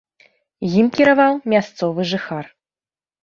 Ім кіраваў мясцовы жыхар.